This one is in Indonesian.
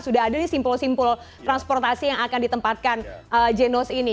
sudah ada simpul simpul transportasi yang akan ditempatkan jenos ini